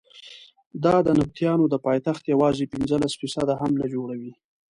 دا د نبطیانو د پایتخت یوازې پنځلس فیصده هم نه جوړوي.